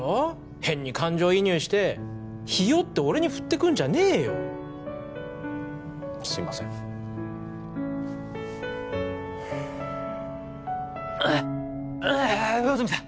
変に感情移入して日和って俺に振ってくんじゃねえよすいませんあっああ魚住さん